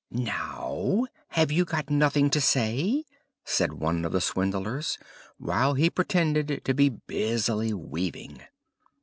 "Now, have you got nothing to say?" said one of the swindlers, while he pretended to be busily weaving.